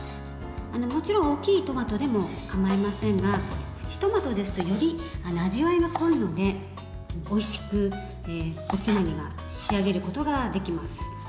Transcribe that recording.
もちろん大きいトマトでも構いませんがプチトマトですとより味わいが濃いのでおいしく、おつまみが仕上げることができます。